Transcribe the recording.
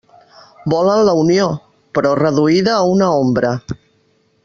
Volen la Unió; però reduïda a una ombra.